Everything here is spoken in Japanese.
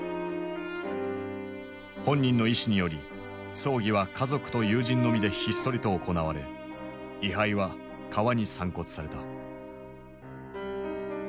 本人の遺志により葬儀は家族と友人のみでひっそりと行われ遺灰は川に散骨された。